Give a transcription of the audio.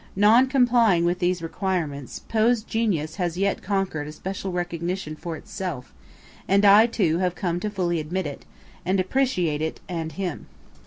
Non complying with these requirements, Poe's genius has yet conquer'd a special recognition for itself, and I too have come to fully admit it, and appreciate it and him.